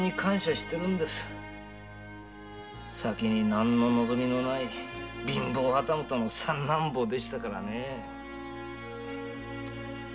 先に何の望みもない貧乏旗本の三男坊でしたからねぇ。